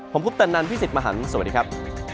ผมพุทธนันทร์พี่สิทธิ์มหันฯสวัสดีครับ